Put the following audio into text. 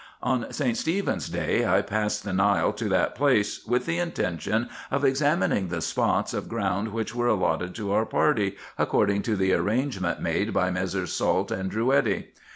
On St. Stephen's day I passed the Nile to that place, with the intention of examining the spots of ground which were allotted to our party, according to the arrangement made by Messrs. Salt and Drouetti.